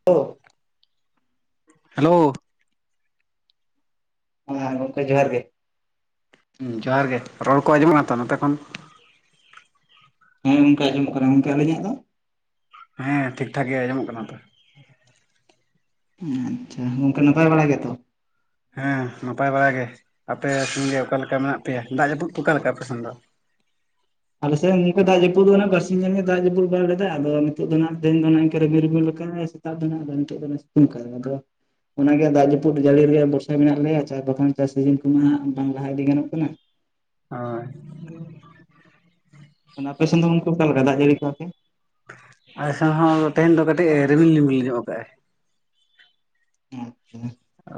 [inaudible] Hello ᱦᱮᱸ ᱜᱚᱢᱠᱮ ᱡᱚᱦᱟᱨ ᱜᱮ᱾ ᱦᱮᱸ ᱡᱚᱦᱟᱨ ᱜᱮ ᱨᱚᱲ ᱠᱚ ᱟᱸᱡᱚᱢᱚᱜ ᱠᱟᱱᱟ ᱛᱚ ᱱᱚᱛᱮ ᱠᱷᱚᱱ ᱦᱮᱸ ᱜᱚᱢᱠᱮ ᱟᱸᱡᱚᱢᱚᱜ ᱠᱟᱱᱟ ᱜᱚᱢᱠᱮ ᱟᱹᱞᱤᱧᱟᱜ ᱫᱚ? ᱦᱮᱸ ᱴᱷᱤᱠ ᱴᱷᱟᱠ ᱜᱮ ᱟᱸᱚᱢᱚᱜ ᱠᱟᱱᱟ ᱛᱳ᱾ ᱟᱪᱪᱷᱟ ᱜᱚᱢᱠᱮ ᱱᱟᱯᱟᱭ ᱵᱟᱲᱟ ᱜᱮᱛᱚ? ᱦᱮᱸ ᱱᱟᱯᱟᱭ ᱵᱟᱲᱟ ᱜᱮ ᱟᱯᱮ ᱥᱮᱱ ᱜᱮ ᱚᱠᱟ ᱞᱮᱠᱟ ᱢᱮᱱᱟᱜ ᱯᱮᱭᱟ ᱫᱟᱜ ᱡᱟᱹᱯᱩᱫ ᱚᱠᱟ ᱞᱮᱠᱟ ᱟᱯᱮ ᱥᱮᱱ ᱫᱚ? ᱟᱞᱮ ᱥᱮᱫ ᱱᱚᱝᱠᱟ ᱫᱟᱜ ᱡᱟᱹᱯᱩᱫ ᱫᱚ ᱱᱟᱜ ᱵᱟᱨᱥᱤᱧ ᱜᱟᱱ ᱜᱮ ᱫᱟᱜ ᱡᱟᱹᱯᱩᱫ ᱵᱟᱲᱟ ᱞᱮᱫᱟᱭ ᱟᱫ ᱱᱤᱛᱚᱜ ᱫᱚ ᱱᱟᱜ ᱛᱮᱦᱮᱧ ᱫᱚ ᱱᱚᱝᱠᱟᱱ ᱨᱤᱢᱤᱞ ᱨᱤᱢᱤᱞ ᱟᱠᱟᱫᱟᱭ ᱫᱟᱜ ᱵᱟᱱᱩᱜ-ᱟ ᱟᱫᱚ ᱱᱤᱛᱚᱜ ᱫᱚ ᱥᱤᱛᱩᱝ ᱟᱠᱟᱫ-ᱟᱭ ᱟᱫ᱾ ᱚᱱᱟᱜᱮ ᱫᱟᱜ ᱡᱟᱹᱯᱩᱫ ᱡᱟᱹᱲᱤ ᱨᱮᱭᱟᱜ ᱵᱷᱚᱨᱥᱟ ᱢᱮᱱᱟᱜ ᱞᱮᱭᱟ ᱪᱟᱥ ᱵᱟᱠᱷᱟᱱ ᱪᱟᱥ ᱥᱤᱡᱤᱱ ᱠᱚᱢᱟ ᱵᱟᱝ ᱞᱟᱦᱟ ᱤᱫᱤ ᱜᱟᱱᱚᱜ ᱠᱟᱱᱟ᱾ ᱳᱭ ᱢᱟᱱᱮ ᱟᱯᱮ ᱥᱮᱫ ᱫᱚ ᱚᱱᱠᱟ ᱚᱠᱟ ᱞᱮᱠᱟ ᱫᱟᱜ ᱡᱟᱹᱲᱤ ᱠᱚ ᱟᱛᱮ? ᱟᱞᱮᱥᱮᱱ ᱦᱚᱸ ᱛᱮᱦᱮᱧ ᱫᱚ ᱠᱟᱹᱴᱤᱡ ᱮ ᱨᱤᱢᱤᱞ ᱨᱤᱢᱤᱞ ᱧᱚᱜ ᱟᱠᱟᱫᱼᱟᱭ᱾ ᱚ ᱚ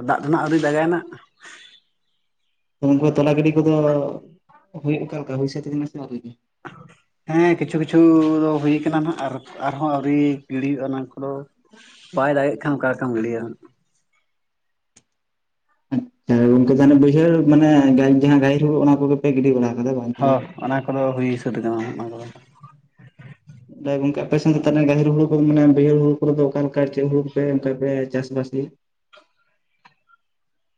ᱫᱟᱜ ᱫᱚ ᱱᱟᱜ ᱟᱹᱣᱨᱤ ᱫᱟᱜᱟᱭ ᱱᱟᱜ᱾ ᱱᱩᱠᱩ ᱛᱚᱞᱟ ᱜᱤᱰᱤ ᱠᱚᱫᱚ ᱦᱩᱭᱩᱜ ᱠᱟᱱ ᱠᱟᱢᱤ ᱦᱤᱥᱟᱵ ᱞᱮᱠᱟ ᱦᱩᱭ ᱨᱤᱜᱤ ᱦᱮᱸ ᱠᱤᱪᱷᱩ ᱠᱤᱪᱷᱩ ᱫᱚ ᱦᱩᱭ ᱠᱟᱱᱟ ᱱᱟᱦᱟᱜ ᱟᱨ ᱟᱨᱦᱚᱸ ᱟᱹᱣᱨᱤ ᱜᱤᱲᱤ-ᱟ ᱚᱱᱟ ᱠᱚᱫᱚ ᱵᱟᱭ ᱫᱟᱲᱮᱭᱟᱜ ᱠᱷᱟᱱ ᱚᱠᱟ ᱞᱮᱠᱟᱢ ᱞᱟᱹᱭ᱾ ᱮ ᱜᱚᱝᱠᱮ ᱛᱟᱦᱚᱞᱮ ᱵᱟᱹᱭᱦᱟᱹᱲ ᱢᱟᱱᱮ ᱜᱟᱹᱭ ᱡᱟᱦᱟᱸ ᱜᱟᱭ ᱦᱳᱲᱳ ᱚᱱᱟ ᱠᱚᱜᱮ ᱯᱮ ᱜᱤᱰᱤ ᱵᱟᱲᱟᱭ ᱠᱟᱫᱟ ᱵᱟᱝ? ᱛᱚᱞᱟ ᱦᱚᱸ ᱠᱚ ᱚᱱᱟ ᱠᱚᱫᱚ ᱦᱩᱭ ᱥᱟᱹᱛ ᱠᱟᱱᱟ ᱚᱱᱟ ᱠᱚᱫᱚ᱾ ᱫᱟᱭ ᱜᱚᱝᱠᱮ ᱟᱯᱮ ᱥᱮᱫ ᱫᱚ ᱛᱟᱦᱚᱞᱮ ᱜᱟᱦᱤᱨ ᱦᱩᱲᱩ ᱠᱚᱫᱚ ᱢᱟᱱᱮ ᱵᱟᱹᱭᱦᱟ. ᱦᱩᱲᱩ ᱠᱚᱫᱚ ᱚᱠᱟ ᱞᱮᱠᱟ ᱪᱮᱫ ᱦᱩᱲᱩ ᱠᱚᱯᱮ ᱚᱱᱠᱟ ᱯᱮ ᱪᱟᱥᱵᱟᱥ ᱜᱮᱭᱟ?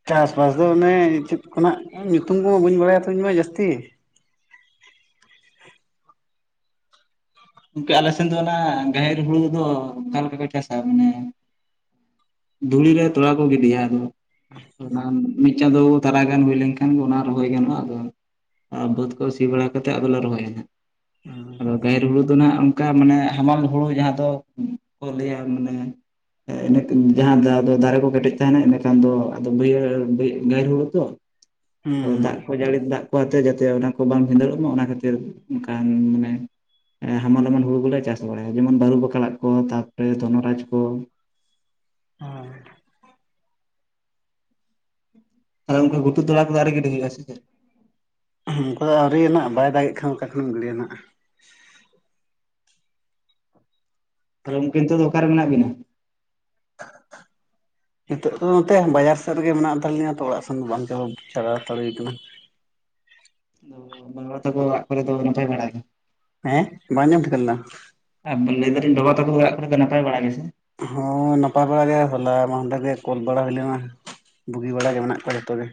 ᱪᱟᱥᱵᱟᱥ ᱫᱚ ᱚᱱᱮ ᱪᱮᱫ ᱠᱚ ᱱᱟᱜ ᱧᱩᱛᱩᱢ ᱠᱚᱦᱚ ᱵᱟᱹᱧ ᱵᱟᱲᱟᱭᱟ ᱛᱚ ᱤᱧ ᱢᱟ ᱡᱟᱹᱥᱛᱤ᱾ ᱜᱚᱝᱠᱮ ᱟᱞᱮ ᱥᱮᱱ ᱫᱚ ᱚᱱᱟ ᱜᱟᱦᱮᱨ ᱦᱩᱲᱩ ᱫᱚ ᱚᱠᱟ ᱞᱮᱠᱟ ᱠᱚ ᱪᱟᱥᱟ ᱢᱟᱱᱮ? ᱫᱷᱩᱲᱤ ᱨᱮ ᱛᱚᱞᱟ ᱠᱚ ᱜᱤᱰᱤᱭᱟ ᱟᱫᱚ ᱚᱱᱟ ᱢᱤᱫ ᱪᱟᱸᱫᱚ ᱛᱟᱨᱟ ᱜᱟᱱ ᱦᱩᱭ ᱞᱮᱱᱠᱷᱟᱱ ᱜᱮ ᱚᱱᱟ ᱨᱚᱦᱚᱭ ᱜᱟᱱᱚᱜᱼᱟ ᱟᱫᱚ ᱟ ᱵᱟᱹᱫᱽ ᱠᱚ ᱥᱤ ᱵᱟᱲᱟ ᱠᱟᱛᱮᱫ ᱟᱫᱚᱞᱮ ᱨᱚᱦᱚᱭᱟ ᱦᱟᱜ ᱟᱫᱚ ᱜᱟᱦᱤᱨ ᱦᱩᱲᱩ ᱫᱚ ᱚᱱᱠᱟ ᱢᱟᱱᱮ ᱦᱟᱢᱟᱞ ᱦᱩᱲᱩ ᱡᱟᱦᱟᱸ ᱫᱚ ᱠᱚ ᱞᱟᱹᱭᱟ ᱢᱟᱱᱮ ᱮᱜ ᱡᱟᱦᱟᱸ ᱫᱚ ᱫᱟᱨᱮ ᱠᱚ ᱠᱮᱴᱮᱡ ᱛᱟᱦᱮᱱᱟ ᱮᱸᱰᱮᱠᱷᱟᱱ ᱫᱚ ᱟᱫᱚ ᱵᱟᱹᱭᱦᱟᱹᱲ ᱦᱩᱲᱩ ᱛᱚ ᱦᱩᱸ ᱟᱫᱚ ᱫᱟᱜ ᱠᱚ ᱡᱟᱹᱲᱤ ᱫᱟᱜ ᱠᱚᱟᱛᱮ ᱡᱟᱛᱮ ᱚᱱᱟ ᱠᱚ ᱵᱟᱢ ᱵᱷᱤᱸᱫᱟᱹᱲᱚᱜ ᱢᱟ ᱚᱱᱟ ᱠᱷᱟᱛᱤᱨ ᱚᱱᱠᱟᱱ ᱢᱟᱱᱮ ᱮ ᱦᱟᱢᱟᱞ ᱦᱟᱢᱟᱞ ᱦᱩᱲᱩ ᱠᱚᱞᱮ ᱪᱟᱥ ᱵᱟᱲᱟᱭᱟ ᱡᱮᱢᱚᱱ ᱵᱟᱹᱨᱩ ᱵᱚᱠᱞᱟᱜ ᱠᱚ ᱛᱟᱨᱯᱚᱨᱮ ᱫᱷᱚᱱᱚᱨᱟᱡᱽ ᱠᱚ᱾ ᱳᱭ ᱟᱫᱚ ᱚᱱᱠᱟ ᱜᱷᱛᱩ ᱛᱚᱬᱟ ᱠᱚᱫᱚ ᱟᱣ. ᱨᱤ ᱜᱤᱰᱤ ᱦᱩᱭᱩᱜ-ᱟ ᱥᱮ ᱪᱮᱫ? ᱩᱱᱠᱩ ᱫᱚ ᱟᱹᱣᱨᱤᱭᱟᱱᱟᱜ ᱵᱟᱭ ᱫᱟᱜ ᱮᱫ ᱠᱷᱟᱱ ᱚᱠᱟ ᱠᱷᱚᱱᱚᱮᱢ ᱜᱤᱰᱤᱭᱟᱱᱟᱜ᱾ ᱛᱟᱦᱚᱞᱮ ᱜᱚᱝᱠᱮ ᱱᱤᱛᱚᱜ ᱫᱚ ᱚᱠᱟ ᱨᱮ ᱢᱮᱱᱟᱜ ᱵᱤᱱᱟ? ᱱᱤᱛᱚᱜ ᱫᱚ ᱱᱚᱛᱮ ᱵᱟᱡᱟᱨ ᱥᱮᱫ ᱨᱮᱜᱮ ᱢᱮᱱᱟᱜ ᱦᱟᱛᱟᱲ ᱞᱤᱧᱟ᱾ ᱛᱚ ᱚᱲᱟᱜ ᱥᱮᱱ ᱫᱚ ᱵᱟᱝ ᱪᱟᱞᱟ ᱪᱟᱞᱟᱣ ᱦᱟᱛᱟᱲ ᱦᱩᱭ ᱠᱟᱱᱟ। ᱚ ᱵᱟᱝᱞᱟ ᱛᱟᱠᱚ ᱚᱲᱟᱜ ᱠᱚᱨᱮ ᱫᱚ ᱱᱟᱯᱟᱭ ᱵᱟᱲᱟ ᱜᱮ? ᱦᱮᱸ ᱵᱟᱝ ᱟᱸᱡᱚᱢ ᱴᱷᱤᱠᱟᱹ ᱞᱮᱱᱟ? ᱮᱜ ᱞᱟᱹᱭᱫᱟᱞᱤᱧ ᱵᱟᱵᱟ ᱛᱟᱠᱚ ᱫᱚ ᱚᱱᱟᱜ ᱠᱚᱨᱮ ᱫᱚ ᱱᱟᱯᱟᱭ ᱵᱟᱲᱟ ᱜᱮ ᱥᱮ? ᱦᱚᱸ ᱱᱟᱯᱟᱭ ᱵᱟᱲᱟ ᱜᱮ ᱦᱚᱞᱟ ᱢᱟᱦᱫᱷᱮᱨ ᱜᱮ ᱠᱳᱞ ᱵᱚᱲᱟ ᱦᱚᱭ ᱞᱮᱱᱟ। ᱵᱩᱜᱤ ᱵᱟᱲᱟ ᱜᱮ ᱢᱮᱱᱟᱜ ᱠᱚᱣᱟ ᱡᱷᱚᱛᱚᱜᱮ।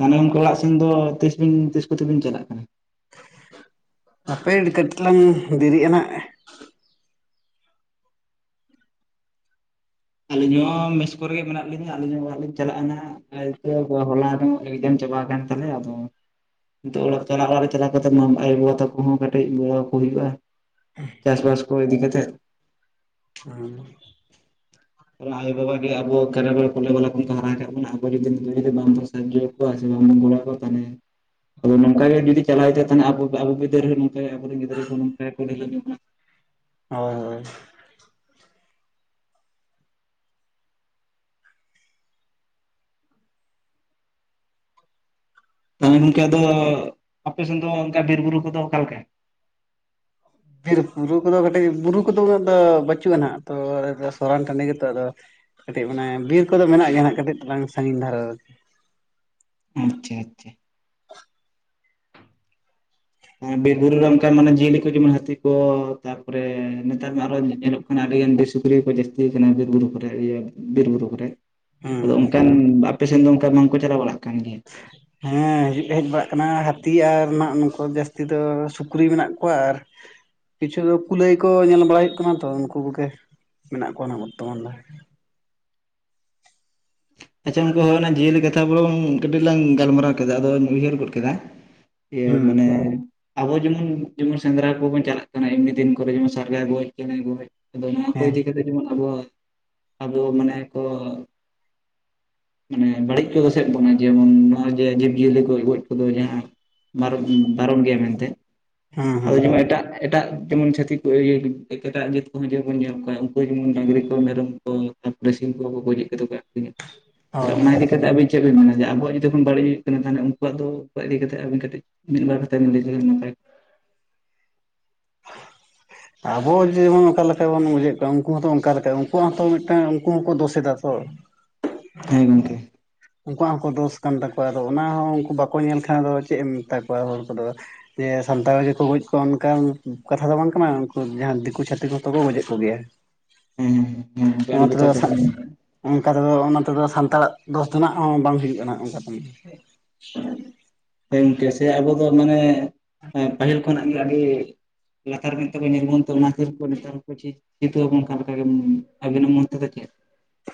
ᱛᱟᱦᱟᱞᱮ ᱜᱚᱝᱠᱮ ᱚᱲᱟᱜ ᱥᱮᱱ ᱫᱚ ᱛᱤᱥ ᱵᱤᱱ ᱛᱤᱥ ᱠᱚᱛᱮ ᱵᱤᱱ ᱪᱟᱞᱟᱜ ᱠᱟᱱᱟ? ᱦᱟᱯᱮ ᱠᱟᱹᱴᱤᱡ ᱛᱟᱞᱟᱝ ᱫᱤᱨᱤᱟᱱᱟ ᱱᱟᱦᱟᱜ। ᱟᱹᱞᱤᱧ ᱦᱚᱸ ᱢᱮᱥ ᱠᱚᱨᱮ ᱜᱮ ᱢᱮᱱᱟᱜ ᱞᱤᱧᱟᱹ᱾ ᱟᱹᱞᱤᱧ ᱦᱚᱸ ᱚᱲᱟᱜ ᱞᱤᱧ ᱪᱟᱞᱟᱜᱼᱟ ᱱᱟᱦᱟᱜ। [unintelligible] ᱦᱚᱞᱟ ᱫᱚ ᱮᱠᱡᱟᱢ ᱪᱟᱵᱟ ᱠᱟᱱᱟᱱ ᱛᱟᱞᱮᱭᱟ᱾ ᱟᱫᱚ ᱱᱤᱛᱚᱜ ᱚᱲᱟᱜ ᱪᱟᱞᱟᱜ ᱚᱲᱟᱜ ᱨᱮ ᱪᱟᱞᱟᱣ ᱠᱟᱛᱮᱜ ᱢᱟ ᱟᱭᱳᱼᱵᱟᱵᱟ ᱛᱟᱠᱚ ᱦᱚᱸ ᱠᱟᱹᱴᱤᱡ ᱜᱚᱲᱚ ᱟᱠᱚ ᱦᱩᱭᱩᱜᱼᱟ। ᱪᱟᱥᱵᱟᱥ ᱠᱚ ᱤᱫᱤ ᱠᱟᱛᱮᱫ᱾ ᱦᱮᱸ ᱟᱨ ᱟᱭᱳᱼᱵᱟᱵᱟ ᱜᱮ ᱟᱵᱚ ᱠᱟᱨᱵᱟᱨ ᱠᱚᱞᱮ ᱵᱟᱞᱮ ᱠᱷᱚᱱ ᱠᱚ ᱦᱟᱨᱟ ᱠᱟᱜ ᱵᱚᱱᱟ ᱟᱵᱚ ᱜᱮ ᱡᱩᱫᱤ ᱵᱟᱝ ᱵᱚᱱ ᱥᱟᱦᱟᱡᱡᱚ ᱠᱚᱣᱟ ᱥᱮ ᱵᱟᱝ ᱵᱚᱱ ᱜᱚᱲᱚ ᱟᱠᱚᱣᱟ ᱛᱟᱦᱚᱞᱮ ᱟᱫᱚ ᱱᱚᱝᱠᱟ ᱜᱮ ᱡᱩᱫᱤ ᱪᱟᱞᱟᱣ ᱤᱫᱤᱜᱼᱟ ᱛᱟᱦᱟᱞᱮ ᱟᱵᱚ ᱟᱵᱚ ᱵᱤᱫᱟᱹᱞ ᱨᱮ ᱱᱚᱝᱠᱟ ᱟᱵᱚᱨᱮᱱ ᱜᱤᱫᱽᱨᱟᱹ ᱠᱚ ᱱᱚᱝᱠᱟ ᱠᱚ ᱰᱷᱤᱞᱟᱹᱢᱤ ᱵᱚᱱᱟ᱾ ᱦᱳᱭ ᱛᱟᱦᱟᱞᱮ ᱜᱚᱝᱠᱮ ᱟᱫᱚ ᱟᱯᱮ ᱥᱮᱱ ᱫᱚ ᱚᱱᱠᱟ ᱵᱤᱨ ᱵᱩᱨᱩ ᱠᱚᱫᱚ ᱚᱠᱟ ᱞᱮᱠᱟ? ᱵᱤᱨ ᱵᱩᱨᱩ ᱠᱚᱫᱚ ᱠᱟᱹᱴᱤᱡ ᱵᱩᱨᱩ ᱠᱚᱫᱚ ᱩᱱᱟᱹᱜ ᱫᱚ ᱵᱟᱹᱪᱩᱜᱼᱟ ᱱᱟ ᱦᱟᱸᱜ, ᱛᱚ ᱟᱞᱮ ᱫᱚ ᱥᱚᱨᱟᱱ ᱴᱟᱺᱰᱤ ᱜᱮᱛᱚ। ᱟᱫᱚ ᱼᱼ ᱠᱟᱹᱴᱤᱡ ᱢᱟᱱᱮ ᱵᱤᱨ ᱠᱚᱫᱚ ᱢᱮᱱᱟᱜ ᱜᱮᱭᱟ ᱱᱟᱼᱦᱟᱸᱜ ᱠᱟᱹᱴᱤᱡ ᱛᱟᱞᱟᱝ ᱥᱟᱺᱜᱤᱧ ᱫᱷᱟᱨᱟ ᱨᱮ ᱟᱪᱪᱷᱟ ᱟᱪᱪᱷᱟ ᱵᱤᱨ ᱵᱩᱨᱩ ᱨᱮ ᱚᱱᱠᱟᱱ ᱢᱟᱱᱮ ᱡᱤᱭᱟᱹᱞᱤ ᱠᱚ ᱡᱮᱢᱚᱱ ᱦᱟᱹᱛᱤ ᱠᱚ, ᱛᱟᱨᱯᱚᱨᱮ ᱱᱮᱛᱟᱨ ᱢᱟ ᱟᱨᱦᱚᱸ ᱧᱮᱞᱚᱜ ᱼᱼ ᱢᱟᱱᱮ ᱟᱹᱰᱤᱜᱟᱱ ᱵᱤᱨ ᱥᱩᱠᱨᱤ ᱠᱚ ᱡᱟᱹᱥᱛᱤ ᱠᱟᱱᱟ ᱵᱤᱨ ᱵᱩᱨᱩ ᱠᱚᱨᱮ ᱤᱭᱟᱹ ᱵᱤᱨ ᱵᱩᱨᱩ ᱠᱚᱨᱮ। ᱟᱫᱚ ᱦᱩᱸ ᱚᱱᱠᱟᱱ ᱟᱯᱮ ᱥᱮᱱ ᱫᱚ ᱚᱱᱠᱟ ᱵᱟᱝᱠᱚ ᱪᱟᱞᱟᱣ ᱵᱟᱲᱟᱜ ᱠᱟᱱ ᱜᱮᱭᱟ? ᱦᱮᱸ ᱦᱤᱡᱩᱜ ᱫᱚ ᱦᱮᱡ ᱵᱟᱲᱟᱜ ᱠᱟᱱᱟ ᱦᱟᱹᱛᱤ ᱟᱨ ᱱᱟᱼᱦᱟᱸᱜ ᱱᱩᱠᱩ ᱡᱟᱹᱥᱛᱤ ᱫᱚ ᱥᱩᱠᱨᱤ ᱢᱮᱱᱟᱜ ᱠᱚᱣᱟ ᱟᱨ ᱼᱼ ᱠᱤᱪᱷᱩ ᱫᱚ ᱠᱩᱞᱟᱹᱭ ᱠᱚ ᱧᱮᱞ ᱵᱟᱲᱟᱭ ᱦᱩᱭᱩᱜ ᱠᱟᱱᱟ ᱛᱚ ᱩᱱᱠᱩ ᱠᱚᱜᱮ ᱢᱮᱱᱟᱜ ᱠᱚᱣᱟ ᱱᱟ-ᱦᱟᱸᱜ ᱵᱚᱨᱛᱚᱢᱟᱱ ᱫᱚ। ᱟᱪᱪᱷᱟ ᱩᱱᱠᱩ ᱚᱱᱟ ᱡᱤᱭᱟᱹᱞᱤ ᱠᱟᱛᱷᱟ ᱵᱚᱞᱚᱝ ᱠᱟᱹᱴᱤᱡ ᱞᱟᱝ ᱜᱟᱞᱢᱟᱨᱟᱣ ᱠᱮᱫᱟ, ᱟᱫᱚᱧ ᱩᱭᱦᱟᱹᱨ ᱜᱚᱫ ᱠᱮᱫᱟ। ᱤᱭᱟᱹ ᱦᱩᱸ ᱢᱟᱱᱮ ᱼᱼ ᱟᱵᱚ ᱡᱮᱢᱚᱱ ᱡᱮᱢᱚᱱ ᱥᱮᱸᱫᱽᱨᱟ ᱠᱚᱵᱚᱱ ᱪᱟᱞᱟᱜ ᱠᱟᱱᱟ ᱮᱢᱱᱤ ᱫᱤᱱ ᱠᱚᱨᱮ, ᱡᱮᱢᱚᱱ ᱥᱟᱨᱜᱟ ᱜᱚᱡ ᱪᱮᱸᱬᱮ ᱜᱚᱡ। ᱟᱫᱚ ᱱᱚᱣᱟ ᱠᱚ ᱦᱮᱸ ᱤᱫᱤ ᱠᱟᱛᱮ ᱡᱮᱢᱚᱱ ᱟᱵᱚ, ᱟᱵᱚ ᱢᱟᱱᱮ ᱠᱚ ᱼ ᱢᱟᱱᱮ ᱵᱟᱹᱲᱤᱡ ᱠᱚ ᱫᱚᱥᱮᱫ ᱵᱚᱱᱟ ᱡᱮᱢᱚᱱ ᱱᱚᱼᱚᱭ ᱡᱮ ᱡᱤᱵᱽ ᱡᱤᱭᱟᱹᱞᱤ ᱠᱚ ᱜᱚᱡ ᱠᱚᱫᱚ ᱡᱟᱦᱟᱸ ᱼᱼ ᱵᱟᱨᱚᱱ ᱵᱟᱨᱚᱱ ᱜᱮᱭᱟ ᱢᱮᱱᱛᱮ᱾ ᱦᱩᱸ ᱟᱫᱚ ᱦᱩᱸ ᱡᱮᱢᱚᱱ ᱮᱴᱟᱜ ᱼᱼ ᱮᱴᱟᱜ ᱡᱮᱢᱚᱱ ᱪᱷᱟᱹᱛᱤᱠ ᱠᱚ ᱤᱭᱟᱹ ᱮᱴᱟᱜ ᱡᱟᱹᱛ ᱠᱚᱦᱚᱸ ᱡᱮ ᱵᱚᱱ ᱧᱮᱞ ᱠᱚᱣᱟ, ᱩᱱᱠᱩ ᱡᱮᱢᱚᱱ ᱰᱟᱝᱨᱤ ᱠᱚ ᱢᱮᱨᱚᱢ ᱼᱼ ᱛᱟᱯᱚᱨᱮ ᱥᱤᱢ ᱠᱚ ᱠᱚ ᱜᱚᱡᱮᱫ ᱠᱚᱛᱮ ᱠᱚ ᱟᱠᱷᱨᱤᱧᱟ। ᱛᱟᱦᱟᱞᱮ ᱦᱳᱭ ᱚᱱᱟ ᱦᱳᱭ ᱤᱫᱤ ᱠᱟᱛᱮᱫ ᱟᱵᱤᱱ ᱪᱮᱫ ᱵᱤᱱ ᱢᱮᱱᱟ? ᱡᱮ ᱟᱵᱚᱣᱟᱜ ᱡᱩᱫᱤ ᱠᱷᱚᱱ [unintelligible] ᱵᱟᱹᱲᱤᱡ ᱦᱩᱭᱩᱜ ᱠᱟᱱᱟ᱾ ᱛᱟᱦᱟᱞᱮ ᱩᱱᱠᱩᱣᱟᱜ ᱫᱚ ᱤᱫᱤ ᱠᱟᱛᱮᱜ ᱟᱹᱵᱤᱱ ᱠᱟᱹᱴᱤᱡ ᱼᱼ ᱢᱤᱫ ᱵᱟᱨ ᱠᱟᱛᱷᱟ ᱵᱤᱱ ᱞᱟᱹᱭ ᱞᱮᱠᱷᱟᱱ ᱱᱟᱯᱟᱭ ᱼᱼ ᱟᱵᱚ ᱡᱮᱢᱚᱱ ᱚᱠᱟ ᱞᱮᱠᱟ ᱵᱚᱱ ᱵᱩᱡᱷᱮᱫ ᱠᱚᱣᱟ ᱩᱱᱠᱩ ᱦᱚᱸᱛᱚ ᱚᱱᱠᱟ ᱞᱮᱠᱟ᱾ ᱩᱱᱠᱩᱣᱟᱜ ᱦᱚᱸᱛᱚ ᱢᱤᱫᱴᱟᱝ ᱩᱱᱠᱩ ᱦᱚᱸᱠᱚ ᱫᱳᱥ ᱮᱫᱟ ᱛᱚ। ᱦᱮᱸ ᱜᱚᱢᱠᱮ ᱩᱱᱠᱩᱣᱟᱜ ᱦᱚᱸ ᱛᱚ ᱫᱳᱥ ᱠᱟᱱ ᱛᱟᱠᱚᱣᱟ ᱟᱫᱚ ᱚᱱᱟ ᱦᱚᱸ ᱩᱱᱠᱩ ᱵᱟᱠᱚ ᱧᱮᱞ ᱠᱷᱟᱱ ᱫᱚ ᱪᱮᱫ ᱮᱢ ᱢᱮᱛᱟ ᱠᱚᱣᱟ ᱦᱚᱲ ᱠᱚᱫᱚ। ᱡᱮ ᱥᱟᱱᱛᱟᱲ ᱜᱮᱠᱚ ᱜᱚᱡ ᱠᱚᱣᱟ ᱚᱱᱠᱟᱱ ᱠᱟᱛᱷᱟ ᱫᱚ ᱵᱟᱝ ᱠᱟᱱᱟ ᱩᱱᱠᱩ ᱡᱟᱦᱟᱸ ᱫᱤᱠᱩ ᱪᱷᱟᱹᱛᱤᱠ ᱦᱚᱸᱛᱚ ᱠᱚ ᱜᱚᱡᱮᱫ ᱠᱚᱜᱮᱭᱟ। ᱦᱮᱸ ᱦᱮᱸ ᱦᱮᱸ ᱜᱚᱝᱠᱮ ᱚᱱᱟ ᱟᱹᱰᱤ ᱛᱮᱫᱚ ᱡᱚᱛᱷᱟᱛ ᱥᱟ ᱠᱟᱛᱷᱟ ᱵᱤᱱ ᱢᱮᱱ ᱠᱟᱜᱼᱟ ᱚᱱᱠᱟ ᱛᱮᱫᱚ ᱚᱱᱟ ᱛᱮᱫᱚ ᱥᱟᱱᱛᱟᱲᱟᱜ ᱫᱚᱥ ᱼᱼ ᱛᱮᱱᱟᱜ ᱦᱚᱸ ᱵᱟᱝ ᱦᱩᱭᱩᱜ ᱠᱟᱱᱟ ᱚᱱᱠᱟᱛᱮ ᱢᱟ। ᱦᱮᱸ ᱜᱚᱝᱠᱮ ᱥᱮ ᱟᱵᱚ ᱫᱚ ᱢᱟᱱᱮ ᱯᱟᱹᱦᱤᱞ ᱠᱷᱚᱱᱟᱜ ᱜᱮ ᱟᱹᱰᱤ ᱼᱼ ᱞᱟᱛᱟᱨ ᱢᱮᱫ ᱛᱮᱠᱚ ᱧᱮᱞ ᱵᱚᱱ ᱛᱮ ᱚᱱᱟ ᱠᱷᱟᱹᱛᱤᱨ ᱠᱚ ᱢᱮᱛᱟᱢᱟ ᱠᱚ ᱡᱮ ᱼᱼ ᱠᱤᱱᱛᱩ ᱟᱵᱚᱱ ᱚᱱᱠᱟ ᱞᱮᱠᱟ ᱜᱮ ᱟᱵᱤᱱᱟᱜ ᱢᱮᱱᱛᱮ ᱫᱚ ᱪᱮᱫ?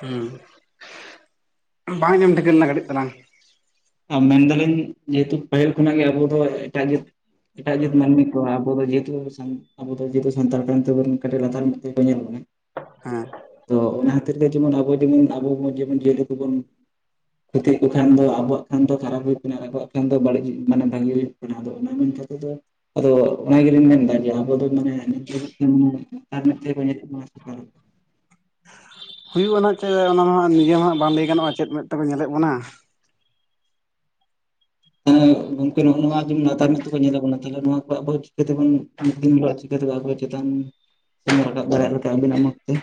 ᱦᱩᱸ ᱵᱟᱝ ᱟᱸᱡᱚᱢ ᱴᱷᱤᱠᱟᱹ ᱞᱮᱱᱟ ᱠᱟᱹᱴᱤᱡ ᱛᱟᱞᱟᱝ। ᱢᱮᱱᱫᱟᱞᱤᱧ ᱡᱮᱦᱮᱛᱩ ᱯᱟᱹᱦᱤᱞ ᱠᱷᱚᱱᱟᱜ ᱜᱮ ᱟᱵᱚ ᱫᱚ ᱮᱴᱟᱜ ᱜᱮ ᱮᱴᱟᱜ ᱡᱟᱹᱛ ᱢᱟᱱᱢᱤ ᱠᱚ ᱟᱵᱚ ᱫᱚ ᱡᱮᱦᱮᱛᱩ ᱥᱟᱱ ᱟᱵᱚ ᱫᱚ ᱡᱮᱦᱮᱛᱩ ᱥᱟᱱᱛᱟᱲ ᱠᱟᱱ ᱛᱮᱵᱚᱱ ᱠᱟᱹᱴᱤᱡ ᱞᱟᱛᱟᱨ ᱢᱮᱫ ᱛᱮᱜᱮ ᱠᱚ ᱧᱮᱞ ᱵᱚᱱᱟ᱾ ᱦᱮᱸ ᱛᱚ ᱚᱱᱟ ᱠᱷᱟᱹᱛᱤᱨ ᱜᱮ ᱡᱮᱢᱚᱱ ᱟᱵᱚ ᱡᱮᱢᱚᱱ ᱠᱷᱟᱹᱛᱤᱨ ᱜᱮ ᱟᱵᱚ ᱡᱮᱢᱚᱱ ᱡᱤᱭᱟᱹᱞᱤ ᱠᱚᱵᱚᱱ ᱠᱷᱚᱛᱤᱭᱮᱜ ᱠᱚ ᱛᱟᱦᱮᱱ ᱫᱚ ᱟᱵᱚᱣᱟᱜ ᱮᱱᱠᱷᱟᱱ ᱫᱚ ᱠᱷᱟᱨᱟᱯ ᱦᱩᱭᱩᱜ ᱠᱟᱱᱟ ᱟᱨ ᱟᱵᱚᱣᱟᱜ ᱠᱷᱟᱱ ᱫᱚ ᱵᱟᱹᱲᱤᱡ ᱦᱩᱭᱩ ᱢᱟᱱᱮ ᱵᱷᱟᱹᱜᱤ ᱦᱩᱭᱩᱜ ᱠᱚᱱᱟ ᱟᱫᱚ ᱚᱱᱟ ᱢᱮᱱ ᱠᱟᱛᱮ ᱫᱚ ᱟᱫᱚ ᱚᱱᱟ ᱜᱮᱞᱤᱧ ᱢᱮᱱᱫᱟ ᱡᱮ ᱟᱵᱚ ᱫᱚ ᱢᱟᱱᱮ ᱡᱟᱹᱱᱤᱡ ᱠᱷᱟᱱ ᱟᱨ ᱢᱤᱫ ᱛᱮ ᱦᱩᱭᱩᱜᱼᱟ ᱱᱟᱜ ᱪᱮ ᱚᱱᱟ ᱢᱟ ᱦᱟᱸᱜ ᱱᱤᱡᱮ ᱦᱚᱸ ᱵᱟᱝ ᱞᱟᱹᱭ ᱜᱟᱱᱚᱜᱼᱟ ᱪᱮᱫ ᱢᱮᱫ ᱛᱮᱠᱚ ᱧᱮᱞᱮᱫ ᱵᱚᱱᱟ᱾ ᱦᱮᱸ ᱜᱚᱝᱠᱮ ᱱᱚᱜ ᱱᱚᱣᱟ ᱡᱮᱢᱚᱱ ᱞᱟᱛᱟᱨ ᱢᱮᱫ ᱛᱮᱠᱚ ᱧᱮᱞᱮᱫ ᱵᱚᱱᱟ ᱛᱟᱦᱟᱞᱮ ᱱᱚᱣᱟ ᱟᱵᱚ ᱪᱤᱠᱟᱹᱛᱮᱵᱚᱱ ᱪᱚ ᱟᱨᱦᱚ ᱪᱮᱛᱟᱱ ᱥᱮᱫ ᱮᱢ ᱨᱟᱠᱟᱵ ᱫᱟᱲᱮᱭᱟᱜ ᱞᱮᱠᱟ ᱟᱹᱵᱤᱱᱟᱜ ᱢᱚᱛ ᱛᱮ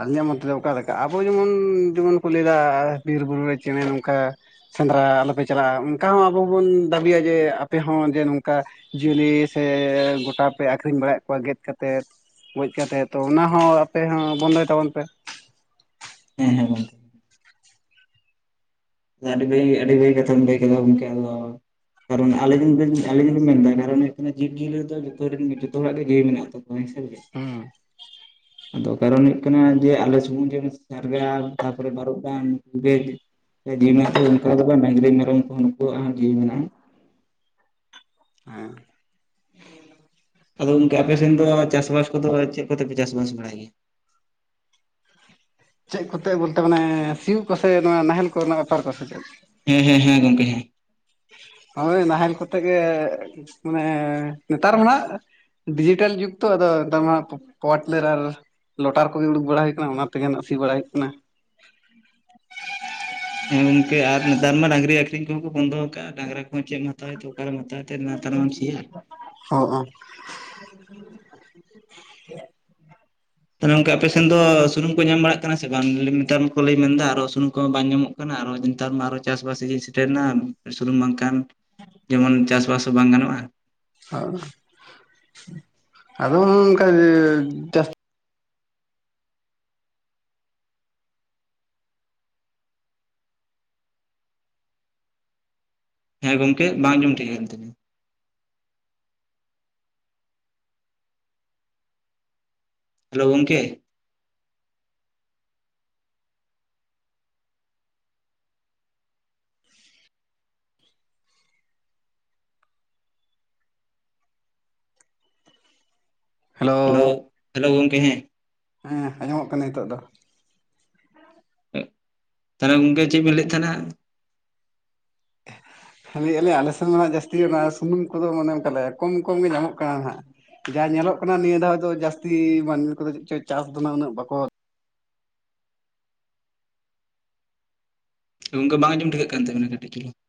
ᱟᱞᱤᱧᱟᱹᱜ ᱢᱚᱛ ᱛᱮ ᱫᱚ ᱚᱠᱟ ᱞᱮᱠᱟ ᱟᱵᱚ ᱡᱮᱢᱚᱱ ᱡᱮᱢᱚᱱ ᱠᱚ ᱞᱟᱹᱭᱫᱟ ᱵᱤᱨᱵᱩᱨᱩ ᱨᱮ ᱪᱮᱸᱬᱮ ᱱᱚᱝᱠᱟ ᱥᱮᱸᱫᱽᱨᱟ ᱟᱞᱚᱯᱮ ᱪᱟᱞᱟᱜᱼᱟ ᱚᱱᱠᱟ ᱦᱚᱸ ᱟᱵᱚ ᱦᱚᱸ ᱵᱚᱱ ᱫᱟᱹᱵᱤᱭᱟ ᱡᱮ ᱟᱯᱮ ᱦᱚᱸ ᱡᱮ ᱱᱚᱝᱠᱟ ᱡᱤᱭᱟᱹᱞᱤ ᱥᱮ ᱜᱚᱴᱟ ᱯᱮ ᱟᱹᱠᱷᱨᱤᱧ ᱵᱟᱲᱟᱭᱮᱫ ᱠᱚᱣᱟ ᱜᱮᱫ ᱠᱟᱛᱮᱫ ᱜᱚᱡ ᱠᱟᱛᱮᱫ ᱛᱚ ᱚᱱᱟ ᱦᱚᱸ ᱟᱯᱮ ᱦᱚᱸ ᱵᱚᱱᱫᱚᱭ ᱛᱟᱵᱚᱱ ᱯᱮ᱾ ᱦᱮᱸ ᱦᱮᱸ ᱜᱚᱝᱠᱮ ᱾ ᱟᱹᱰᱤ ᱵᱟᱹᱭ ᱟᱹᱰᱤ ᱵᱷᱟᱜᱮ ᱠᱟᱛᱷᱟᱢ ᱞᱟᱹᱭ ᱠᱮᱫᱟ ᱜᱚᱢᱠᱮ ᱟᱫᱚ ᱠᱟᱨᱚᱱ ᱟᱞᱤᱧ ᱟᱞᱤᱧ ᱢᱮᱱ ᱫᱟ ᱠᱟᱨᱚᱱ ᱦᱩᱭᱩᱜ ᱠᱟᱱᱟ ᱡᱤᱵᱽ ᱡᱤᱭᱟᱹᱞᱤ ᱫᱚ ᱡᱚᱛᱚ ᱨᱮᱱ ᱜᱤ ᱡᱚᱛᱚ ᱦᱚᱲᱟᱜ ᱜᱮ ᱡᱤᱣᱤ ᱢᱮᱱᱟᱜᱼᱟ ᱛᱚ᱾ [inaudible] ᱦᱩᱸ ᱟᱫᱚ ᱠᱟᱨᱚᱱ ᱦᱩᱭᱩᱜᱜ ᱠᱟᱱᱟ ᱡᱮ ᱟᱞᱮ ᱥᱩᱢᱩᱝ ᱡᱮ ᱩᱱᱤ ᱥᱟᱨᱜᱟ ᱛᱟᱯᱚᱨᱮ ᱵᱟᱨᱩᱵᱰᱟᱸᱜ [unintelligible] ᱡᱤᱣᱤ ᱢᱮᱱᱟᱜ ᱛᱚ ᱚᱱᱠᱟ ᱫᱚ ᱵᱟᱝ ᱰᱟᱝᱨᱤ ᱢᱮᱨᱚᱢ ᱠᱚ ᱱᱩᱠᱩᱣᱟᱜ ᱡᱤᱣᱤ ᱢᱮᱱᱟᱜᱼᱟ᱾ ᱦᱮᱸ ᱾ ᱟᱫᱚ ᱜᱚᱝᱠᱮ ᱟᱯᱮᱥᱮᱱ ᱫᱚ ᱪᱟᱥᱵᱟᱥ ᱠᱚᱫᱚ ᱪᱮᱫ ᱠᱚᱛᱮᱯᱮ ᱪᱟᱥᱵᱟᱥ ᱵᱟᱲᱟᱭ ᱜᱮᱭᱟ? ᱪᱮᱫ ᱠᱚᱛᱮ ᱵᱚᱞᱛᱮ ᱢᱟᱱᱮ ᱥᱤᱭᱜ ᱠᱚᱥᱮ ᱱᱚᱣᱟ ᱱᱟᱦᱮᱞ ᱠᱚᱨᱮ ᱱᱟᱸᱜ ᱵᱮᱯᱟᱨ ᱠᱚᱥᱮ ᱪᱮᱫ ᱦᱮᱸ ᱦᱮᱸ ᱦᱮᱸ ᱜᱚᱝᱠᱮ ᱦᱮᱸ ᱾ ᱦᱳᱭ ᱱᱟᱦᱮᱞ ᱠᱚᱛᱮ ᱜᱮ ᱢᱟᱱᱮ ᱱᱮᱛᱟᱨ ᱢᱟ ᱱᱟᱷᱜ ᱰᱤᱡᱤᱴᱮᱞ ᱡᱩᱜᱽ ᱛᱚ ᱟᱫᱚ [inaudible] ᱞᱚᱴᱟᱨ ᱠᱚᱜᱮ ᱩᱰᱩᱠ ᱵᱟᱲᱟ ᱦᱩᱭᱩᱜ ᱠᱟᱱᱟ ᱚᱱᱟ ᱛᱮᱜᱮ ᱱᱟᱜ ᱥᱤ ᱵᱟᱲᱟ ᱦᱩᱭᱩᱜ ᱠᱟᱱᱟ᱾ ᱦᱮᱸ ᱜᱚᱝᱠᱮ ᱟᱨ ᱱᱮᱛᱟᱨ ᱢᱟ ᱰᱟᱝᱨᱤ ᱟᱠᱷᱨᱤᱧ ᱠᱚᱦᱚᱸ ᱠᱚ ᱵᱚᱱᱫᱚ ᱠᱟᱜᱼᱟ, ᱰᱟᱝᱨᱟ ᱠᱚᱦ ᱪᱮᱫ ᱛᱟᱭ ᱛᱚ ᱚᱠᱟᱨᱮᱢ ᱦᱟᱛᱟᱣ ᱛᱮ ᱱᱮᱛᱟᱨ ᱢᱟᱢ ᱥᱤᱭᱟ ᱦᱚᱸ ᱚ ᱾ [unintelligible] ᱛᱟᱦᱚᱞᱮ ᱜᱚᱝᱠᱮ ᱟᱯᱮ ᱥᱮᱱ ᱫᱚ ᱥᱩᱱᱩᱢ ᱠᱚ ᱧᱟᱢ ᱵᱟᱲᱟᱜ ᱠᱟᱱᱟ ᱥᱮ ᱵᱟᱝ ᱱᱮᱛᱟᱨ ᱢᱟᱠᱚ ᱞᱟᱹᱭ ᱢᱮᱱᱫᱟ ᱟᱨᱚ ᱥᱩᱱᱩᱢ ᱠᱚᱦᱚᱸ ᱵᱟᱝ ᱧᱟᱢᱚᱜ ᱠᱟᱱᱟ ᱠᱟᱱᱟ ᱟᱨᱚ ᱱᱮᱛᱟᱨ ᱢᱟ ᱟᱨᱚ ᱪᱟᱥᱵᱟᱥ ᱥᱤᱡᱮᱱ ᱥᱮᱴᱮᱨᱱᱟ ᱥᱩᱱᱩᱢ ᱵᱟᱝᱠᱷᱟᱱ ᱡᱮᱢᱚᱱ ᱪᱟᱥᱵᱟᱥ ᱦᱚᱸ ᱵᱟᱝ ᱜᱟᱱᱚᱜᱼᱟ ᱾ ᱦ ᱟᱫᱚ ᱚᱱᱠᱟ ᱡᱟᱹᱥ ᱦᱮᱸ ᱜᱚᱝᱠᱮ ᱵᱟᱝ ᱡᱚᱢ ᱴᱷᱤᱠᱟᱹᱜ ᱠᱟᱱ ᱛᱟᱹᱵᱤᱱᱟ? ᱦᱮᱞᱳ ᱜᱚᱢᱠᱮ ᱾ ᱦᱮᱞᱳ ᱦᱮᱞᱳ ᱜᱚᱢᱠᱮ ᱦᱮ ᱦᱮᱸ ᱟᱸᱡᱚᱢᱚᱜ ᱠᱟᱱᱟ ᱱᱤᱛᱚᱜ ᱫᱚ ᱾ ᱛᱟᱦᱚᱞᱮ ᱜᱚᱝᱠᱮ ᱪᱮᱫ ᱵᱮᱱ ᱞᱟᱹᱭᱮᱫ ᱛᱟᱦᱮᱱᱟ? ᱦᱮᱸ ᱞᱟᱹᱭ ᱟᱹᱞᱤᱧ ᱥᱮᱱ ᱫᱚ ᱱᱟᱷᱜ ᱡᱟᱹᱥᱛᱤ ᱚᱱᱟ ᱥᱩᱱᱩᱢ ᱠᱚᱫᱚ ᱢᱟᱱᱮ ᱚᱱᱠᱟ ᱞᱮ ᱠᱚᱢ ᱠᱚᱢ ᱜᱮ ᱧᱟᱢᱚᱜ ᱠᱟᱱᱟ ᱱᱟᱷᱜ ᱾ ᱡᱟ ᱧᱮᱞᱚᱜ ᱠᱟᱱᱟ ᱱᱤᱭᱟᱹ ᱫᱷᱟᱣ ᱫᱚ ᱡᱟᱹᱟᱥᱛᱤ ᱢᱟᱹᱱᱢᱤ ᱠᱚᱫᱚ ᱪᱮᱫᱪᱚ ᱪᱟᱥ ᱫᱚ ᱩᱱᱟᱹᱜ ᱵᱟᱠᱚ ᱜᱚᱝᱠᱮ ᱵᱟᱝ ᱟᱸᱚᱢ ᱴᱷᱤᱠᱟᱹᱜ ᱠᱟᱱ ᱛᱟᱵᱮᱱᱟ ᱠᱟᱹᱴᱤᱡ ᱪᱩᱞᱳᱜ ᱾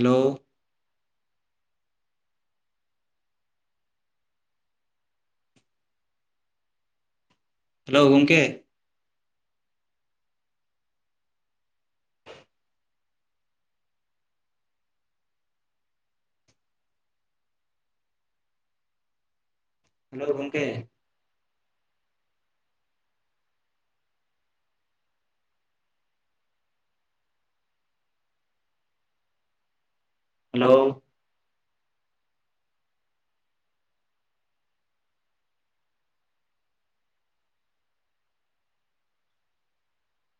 ᱦᱮᱞᱳ ᱾ ᱦᱮᱞᱳ ᱜᱚᱢᱠᱮ ᱾ ᱦᱮᱞᱳ ᱜᱚᱢᱠᱮ ᱾ ᱦᱮᱞᱳ ᱾